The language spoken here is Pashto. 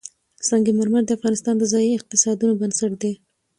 سنگ مرمر د افغانستان د ځایي اقتصادونو بنسټ دی.